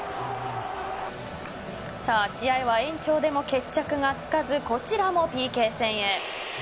試合は延長でも決着がつかずこちらもＰＫ戦へ。